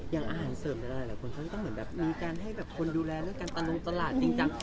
อย่างอาหารเสิร์ฟก็ได้แหละมีการให้คนดูแลเรื่องการกันลงตลาดจริงจัง